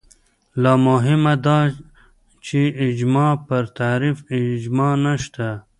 لا مهمه دا چې اجماع پر تعریف اجماع نشته